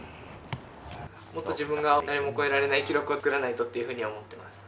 もっと自分が誰も超えられない記録を作らないとっていうふうには思っています。